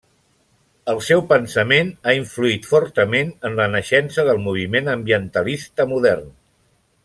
El seu pensament ha influït fortament en la naixença del moviment ambientalista modern.